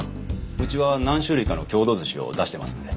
うちは何種類かの郷土寿司を出してますんで。